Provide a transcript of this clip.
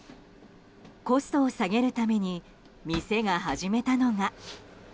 コストを下げるために店が始めたのが。